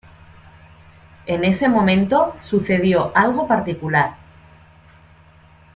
En ese momento sucedió algo particular.